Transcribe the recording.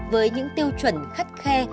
với những tiêu chuẩn khách khe